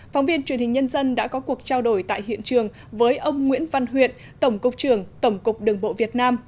phóng viên truyền hình nhân dân đã có cuộc trao đổi tại hiện trường với ông nguyễn văn huyện tổng cục trưởng tổng cục đường bộ việt nam